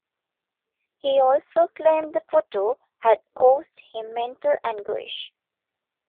He also claimed the photo had caused him mental anguish.